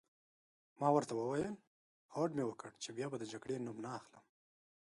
ما ورته وویل: هوډ مي وکړ چي بیا به د جګړې نوم نه اخلم.